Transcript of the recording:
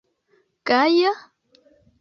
Gaja?